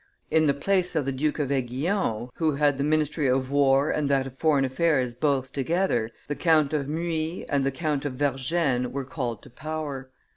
In the place of the Duke of Aiguillon, who had the ministry of war and that of foreign affairs both together, the Count of Muy and the Count of Vergennes were called to power.